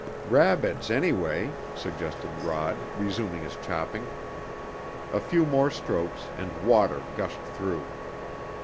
"Rabbits, anyway," suggested Rod, resuming his chopping. A few more strokes, and water gushed through.